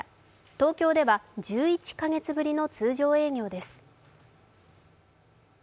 東京では１１カ月ぶりの通常営業です。